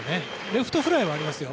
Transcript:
レフトフライはありますよ。